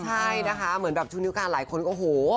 ใช่นะคะเหมือนแบบชุดนิ้วการหลายคนโอ้โห